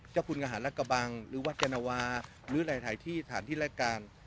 เจ้าคุณอาหารและกระบังหรือวัดยานวาหรือหลายที่สถานที่รายการ